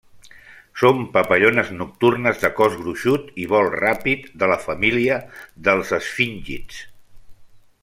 Són papallones nocturnes de cos gruixut i vol ràpid de la família dels esfíngids.